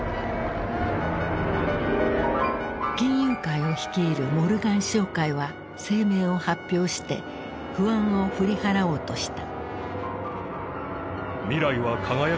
金融界を率いるモルガン商会は声明を発表して不安を振り払おうとした。